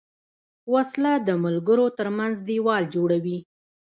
وسله د ملګرو تر منځ دیوال جوړوي